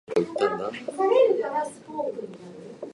ｄｖｆ